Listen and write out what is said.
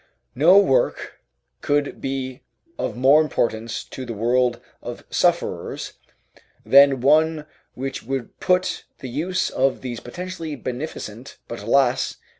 No work could be of more importance to the world of sufferers than one which would put the use of these potentially beneficent, but, alas!